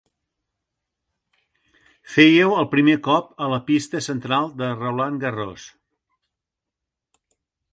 Fèieu el primer cop a la pista central de Roland Garros.